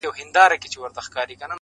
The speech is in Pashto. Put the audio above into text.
د هندکیو په حساب دي عیساخېلې